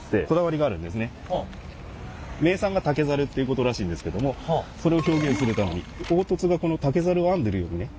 名産が竹ざるっていうことらしいんですけどもそれを表現するために凹凸がこの竹ざるを編んでるようにね。